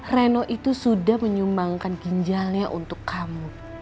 reno itu sudah menyumbangkan ginjalnya untuk kamu